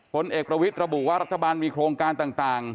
คนเอกประวิทย์ระบุว่ารักษบาลมีโครงการต่างหลายอย่าง